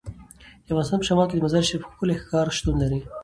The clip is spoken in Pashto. د افغانستان په شمال کې د مزارشریف ښکلی ښار شتون لري.